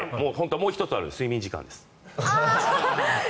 もう１つは睡眠時間です。